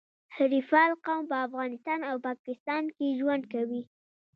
حریفال قوم په افغانستان او پاکستان کي ژوند کوي.